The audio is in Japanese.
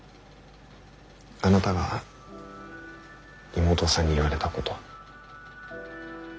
あなたが妹さんに言われたこと。